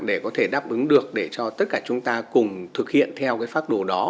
để có thể đáp ứng được để cho tất cả chúng ta cùng thực hiện theo phát đồ đó